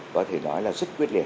có thể nói là rất quyết liệt